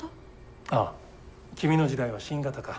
ああ君の時代は新型か。